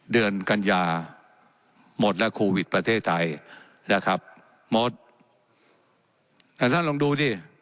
เดือนกัญญาหมดแล้วโควิดประเทศไทยนะครับหมดอ่าท่านลองดูดิ